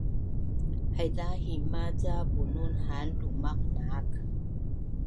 Haiza hahima’ ca bunun haan lumaq naak